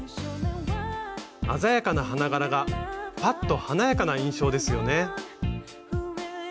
鮮やかな花柄がパッと華やかな印象ですよね。